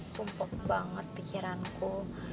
sumpah banget pikiranku